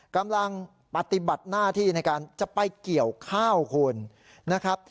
กำลังปฏิบัติหน้าที่ในการจะไปเกี่ยวข้าวคุณนะครับ